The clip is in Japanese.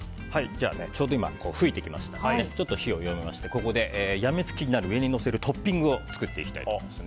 ちょうど今噴いてきましたのでちょっと火を弱めましてここでやみつきになる上にのせるトッピングを作っていきたいと思います。